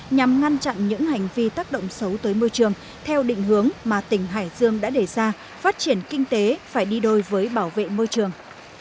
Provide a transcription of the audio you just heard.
nhằm ngăn chặn những hành vi tác động xấu tới môi trường theo định hướng mà tỉnh hải dương đã đề ra phát triển kinh tế phải đi đôi với bảo vệ môi trường